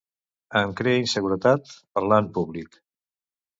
Em crea inseguretat parlar en públic.